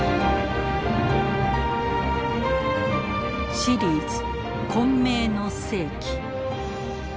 「シリーズ混迷の世紀」。